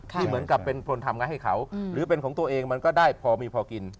ที่เหมือนกับเป็นคนทำงานให้เขาหรือเป็นของตัวเองมันก็ได้พอมีพอกิน